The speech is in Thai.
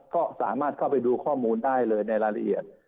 ก็สามารถเข้าไปดูข้อมูลได้เลยในรายละเอียด